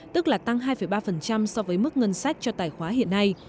tức là tăng hai ba so với mức ngân sách cho tài khoá hiện nay